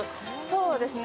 そうですね。